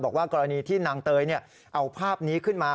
บอกว่ากรณีที่นางเตยเอาภาพนี้ขึ้นมา